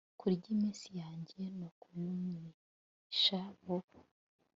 kurya iminsi yanjye no kuyumisha vuba